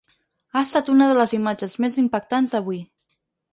Ha estat una de les imatges més impactants d’avui.